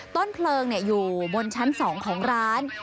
ต้นเพลิงอยู่บนชั้น๒ของร้าน